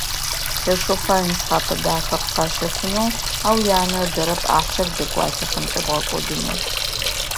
Лъэшэу фай нысхъапэ дахэ къыфащэфынэу, ау янэ ыдэрэп ахъщэр джэгуалъэхэмкӏэ бгъэкӏодынэу.